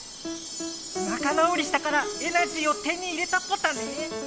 仲直りしたからエナジーを手に入れたポタね。